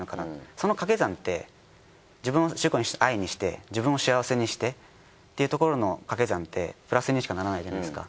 その掛け算って自分を主人公にした「Ｉ」にして自分を幸せにしてっていうところの掛け算ってプラスにしかならないじゃないですか。